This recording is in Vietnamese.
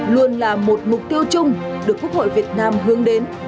luôn là một mục tiêu chung được quốc hội việt nam hướng đến